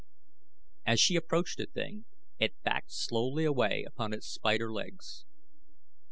As she approached the thing it backed slowly away upon its spider legs.